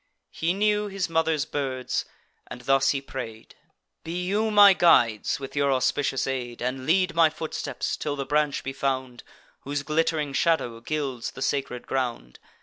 He knew his mother's birds; and thus he pray'd: "Be you my guides, with your auspicious aid, And lead my footsteps, till the branch be found, Whose glitt'ring shadow gilds the sacred ground.